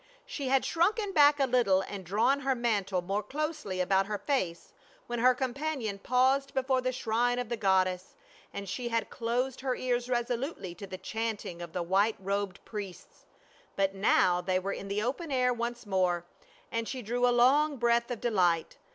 She had shrunken back a little and drawn her mantle more closely about her face when her companion paused before the shrine of the goddess, and she had closed her ears resolutely to the chanting of the white robed priests, but now they were in the open air once more and she drew a long breath of delight.